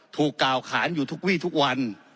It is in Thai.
ถูกกล่าวขานอยู่ทุกวี่ทุกวัน